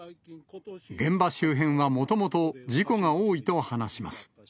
現場周辺はもともと事故が多いと話します。